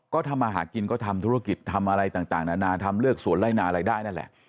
ก็ทำมาหากินก็ทำธุรกิจทำอะไรต่างนานาทำเลือกสวนไล่นาอะไรได้นั่นแหละ